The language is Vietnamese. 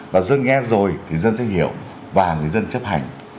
và dân nghe rồi thì dân sẽ hiểu và người dân chấp hành